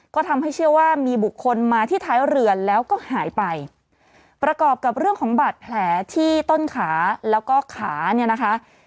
ก็ทำให้เชื่อว่ามีบุคคลมาที่ท้ายเรือแล้วก็หายไปประกอบกับเรื่องของบาดแผลที่ต้นขาแล้วก็ขาเนี่ยนะคะ